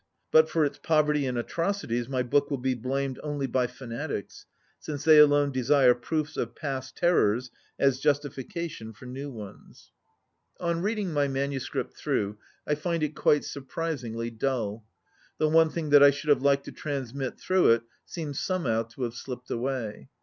But for its poverty in atrocities my book will be blamed only by fanatics, since they alone desire proofs of past Terrors as justification for new ones. viii On reading my manuscript through, I find it quite surprisingly dull. The one thing that I should have liked to transmit through it seems somehow to have slipped away.